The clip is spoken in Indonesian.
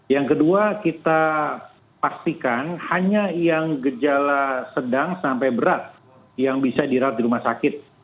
yang kedua kita pastikan hanya yang gejala sedang sampai berat yang bisa dirawat di rumah sakit